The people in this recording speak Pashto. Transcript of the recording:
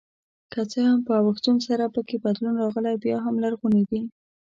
که څه هم په اوښتون سره پکې بدلون راغلی بیا هم لرغوني دي.